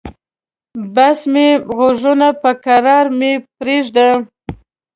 بس مه مې غږوه، به کرار مې پرېږده.